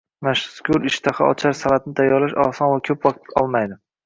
Mazkur ishtaha ochar salatni tayyorlash oson va ko‘p vaqt olmaydi